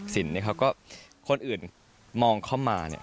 สินเนี่ยเขาก็คนอื่นมองเข้ามาเนี่ย